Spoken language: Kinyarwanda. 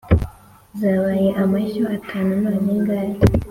zabaye amashyo atanu none ngaya